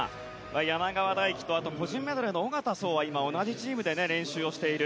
柳川大樹と個人メドレーの小方颯は今、同じチームで練習している。